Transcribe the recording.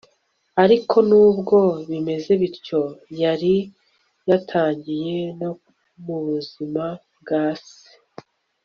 ariko nubwo bimeze bityo, yari yatangiye no mubuzima bwa se